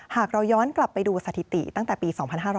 หากเราย้อนกลับไปดูสถิติตั้งแต่ปี๒๕๕๙